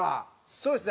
そうですね。